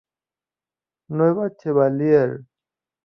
Nueva Chevallier